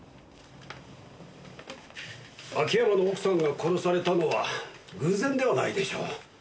秋山の奥さんが殺されたのは偶然ではないでしょう。